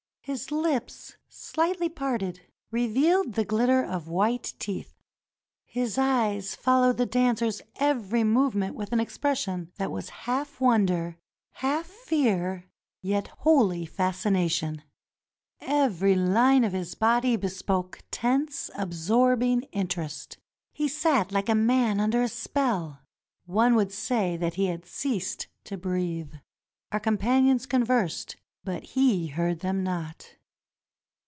His lips, shghtly parted, revealed the glitter of white teeth. His eyes followed the dancer's every movement with an expression that was half wonder, half fear, yet wholly fascination. Every line of his body bespoke tense, absorbing interest. He sat like a man under a spell. One would say that he had ceased to breathe. Our companions conversed, but he heard them not.